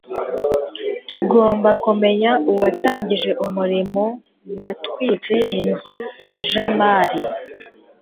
tugomba kumenya uwatangije umuriro watwitse inzu ya jamali